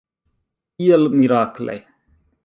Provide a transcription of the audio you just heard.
Kiel mirakle!